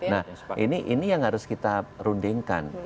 nah ini yang harus kita rundingkan